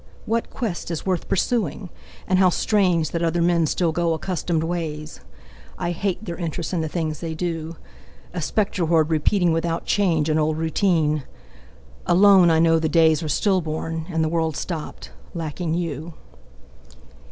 What quest is worth pursuing? And how strange That other men still go accustomed ways! I hate their interest in the things they do. A spectre horde repeating without change An old routine. Alone I know the days Are still born, and the world stopped, lacking you.